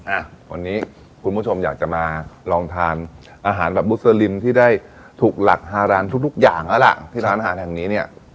อ่ะวันนี้คุณผู้ชมอยากจะมาลองทานอาหารแบบมุสลิมที่ได้ถูกหลักฮารันทุกทุกอย่างแล้วล่ะที่ร้านอาหารแห่งนี้เนี่ย